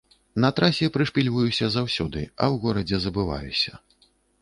На трасе прышпільваюся заўсёды, а ў горадзе забываюся.